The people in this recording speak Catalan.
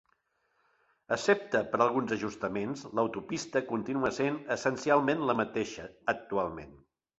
Excepte per alguns ajustaments, l'autopista continua sent essencialment la mateixa actualment.